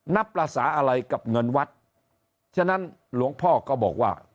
นับภาษาอะไรกับเงินวัดฉะนั้นหลวงพ่อก็บอกว่า